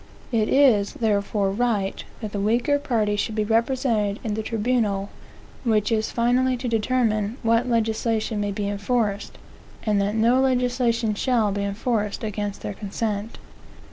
It is, therefore, right that the weaker party should be represented in the tribunal which is finally to determine what legislation may be enforced; and that no legislation shall be enforced against their consent.